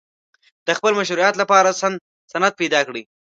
د خپل مشروعیت لپاره سند پیدا کړي.